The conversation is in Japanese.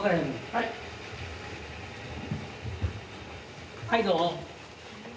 はいどうも。